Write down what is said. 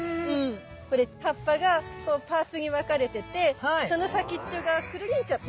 これ葉っぱがパーツに分かれててその先っちょがクルリンチョって。